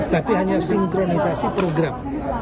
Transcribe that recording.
tapi hanya sinkronisasi program